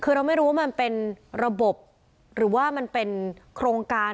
คือเราไม่รู้ว่ามันเป็นระบบหรือว่ามันเป็นโครงการ